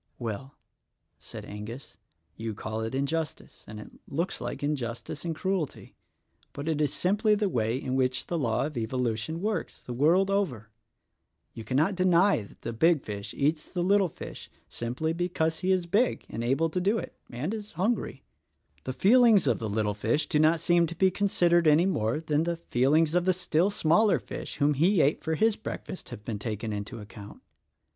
"Well," said Angus, "you call it injustice, and it looks like injustice and cruelty; but it is simply the way in which the law of evolution works — the world over. You cannot deny that the big fish eats the little fish simply because he is big and able to do it — and is hungry. The feelings of the little fish do not seem to be considered any more than the feelings of the still smaller fish whom he ate for his breakfast have been taken into account.